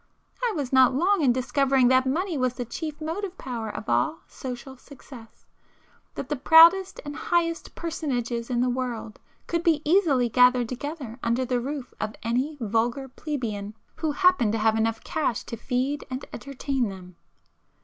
I was not long in discovering that money was the chief motive power of all social success,—that [p 411] the proudest and highest personages in the world could be easily gathered together under the roof of any vulgar plebeian who happened to have enough cash to feed and entertain them.